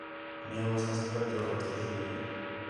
مے ہو ساں سنڳت جوڑ وٹھتی ہے